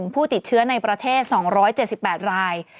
ผู้ติดเชื้อในประเทศ๒๗๘ราย